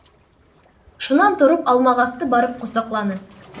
Шунан тороп алмағасты барып ҡосаҡланы.